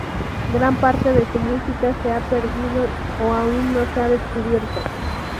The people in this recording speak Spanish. Gran parte de su música se ha perdido o aún no se ha descubierto.